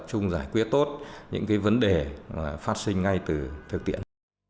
để giải quyết tốt những cái vấn đề phát sinh ngay từ phép tiện